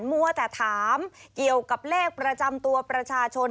มัวแต่ถามเกี่ยวกับเลขประจำตัวประชาชน